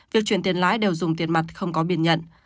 việc chuyển tiền lái đều dùng tiền mặt không có biên nhận